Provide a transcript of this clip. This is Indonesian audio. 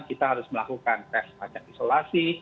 kita harus melakukan tes pajak isolasi